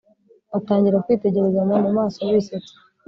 batangira kwitegerezanya mumaso bisetsa